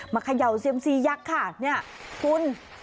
เขย่าเซียมซียักษ์ค่ะเนี่ยคุณ